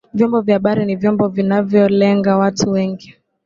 Vyombo vya habari ni vyombo vya vinavyolenga watu wengi